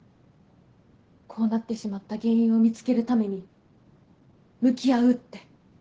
こうなってしまった原因を見つけるために向き合うって。